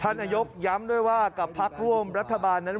นายกย้ำด้วยว่ากับพักร่วมรัฐบาลนั้น